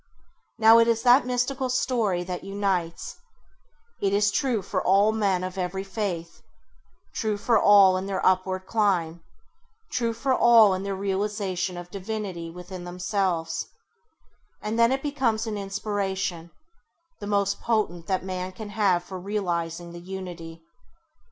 Now it is that mystical story that unites: it is true for all men of every faith, true for all in their upward climb, true for all in their realisation of divinity within themselves; and then it becomes an inspiration, the most potent that man can have for realising the unity.